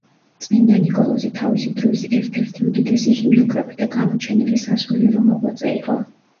წმინდა ნიკოლოზი თავისი დროის ერთ-ერთი უდიდესი ჰიმნოგრაფი და გამოჩენილი სასულიერო მოღვაწე იყო.